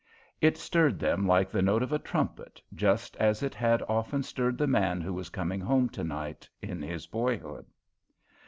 It stirred them like the note of a trumpet; just as it had often stirred the man who was coming home tonight, in his boyhood.